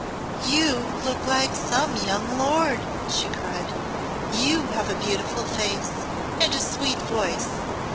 "You look like some young lord!" she cried. "You have a beautiful face and a sweet voice.